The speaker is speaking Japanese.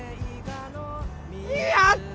やった！